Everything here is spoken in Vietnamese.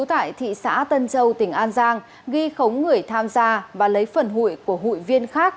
tại thị xã tân châu tỉnh an giang ghi khống người tham gia và lấy phần hụi của hụi viên khác